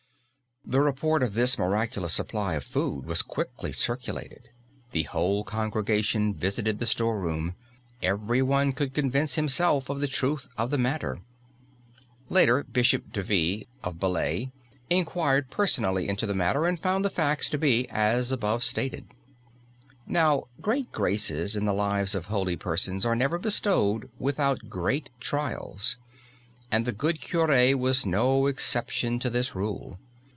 The report of this miraculous supply of food was quickly circulated. The whole congregation visited the store room; everyone could convince himself of the truth of the matter. Later, Bishop Devie, of Belley, inquired personally into the matter and found the facts to be as above stated. Now, great graces in the lives of holy persons are never bestowed without great trials, and the good cure was no exception to this rule.